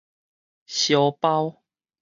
燒包